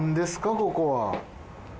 ここは。